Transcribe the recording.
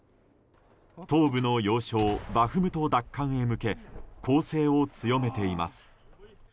東部の要衝バフムト奪還に向け攻勢を強めています。